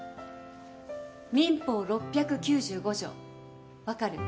民法６９５条分かる？